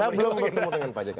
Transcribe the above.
saya belum bertemu dengan pak jk